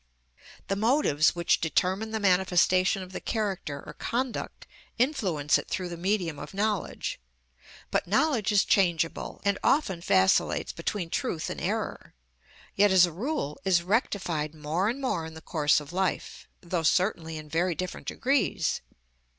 The motives which determine the manifestation of the character or conduct influence it through the medium of knowledge. But knowledge is changeable, and often vacillates between truth and error, yet, as a rule, is rectified more and more in the course of life, though certainly in very different degrees.